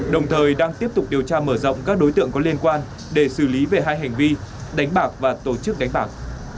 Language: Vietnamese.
đồng thời đang tiếp tục điều tra mở rộng các đối tượng có liên quan để xử lý về hai hành vi đánh bạc và tổ chức đánh bạc